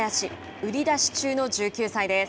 売り出し中の１９歳です。